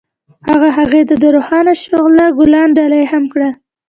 هغه هغې ته د روښانه شعله ګلان ډالۍ هم کړل.